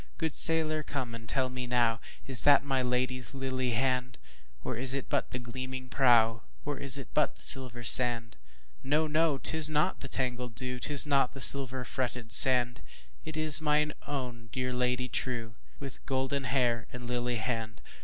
Good sailor come and tell me nowIs that my Lady's lily hand? Or is it but the gleaming prow, Or is it but the silver sand? No! no! 'tis not the tangled dew,'Tis not the silver fretted sand, It is my own dear Lady trueWith golden hair and lily hand!